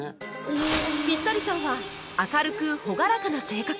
ピッタリさんは明るく朗らかな性格